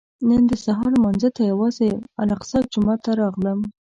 نن د سهار لمانځه ته یوازې الاقصی جومات ته راغلم.